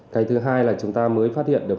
cái thứ hai là chúng ta mới phát hiện